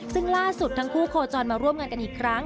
ซึ่งล่าสุดทั้งคู่โคจรมาร่วมงานกันอีกครั้ง